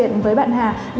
hà đang làm gì vậy